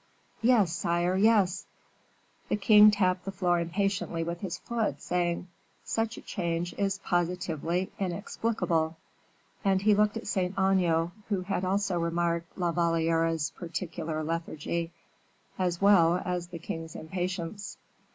"Yes, sire, yes." The king tapped the floor impatiently with his foot, saying, "Such a change is positively inexplicable." And he looked at Saint Aignan, who had also remarked La Valliere's peculiar lethargy, as well as the king's impatience.